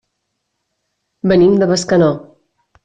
Venim de Bescanó.